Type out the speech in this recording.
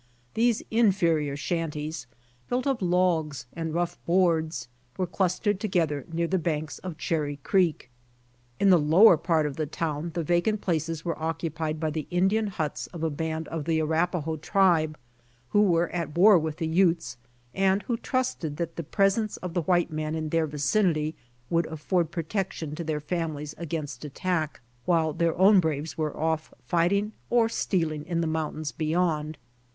These inferior shanties, built of logs and rough boards, were clustered together near the banks of Cherry creek. In the lower part of the town the vacant places were occupied by the In dian huts of a band of the Arapahoe tribe, who were at war with the Utes, and who trusted that the pres ence of the white man in their vicinity would afford protection to their families against attack, while their own braves were off" fighting or stealing in the mountains beyond.